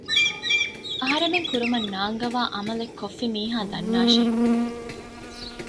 އަހަރެމެން ކުރުމަށް ނާންގަވާ ޢަމަލެއް ކޮށްފި މީހާ ދަންނާށޭ